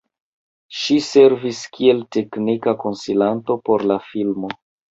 Ŝi servis kiel teknika konsilanto por la filmo.